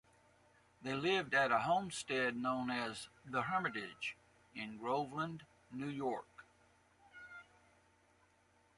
They lived at a homestead known as "The Hermitage" in Groveland, New York.